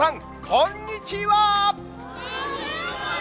こんにちは。